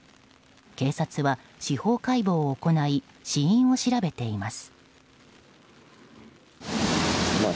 警察は司法解剖を行い死因を調べています。